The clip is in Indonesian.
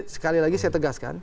sekali lagi saya tegaskan